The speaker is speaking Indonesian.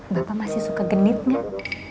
bapak masih suka genit gak